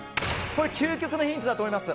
究極のヒントだと思います。